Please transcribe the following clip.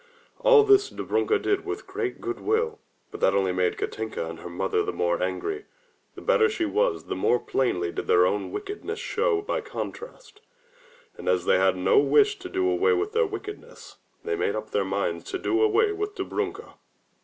All this Dobrunka did with great good will, but that only made Katinka and her mother the more angry. The better she was, the more plainly did their own wickedness show by contrast, and as they had no wish to do away with their wicked ness, they made up their minds to do away with Dobrunka.